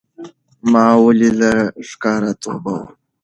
ما ولې له ښکاره توبه وکړه